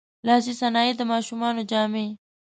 لاسي صنایع، د ماشومانو جامې.